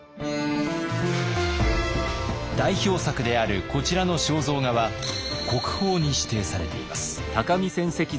代表作であるこちらの肖像画は国宝に指定されています。